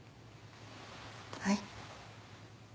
はい。